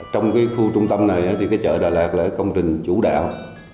trong khu trung tâm này chợ đà lạt là công trình chủ đạo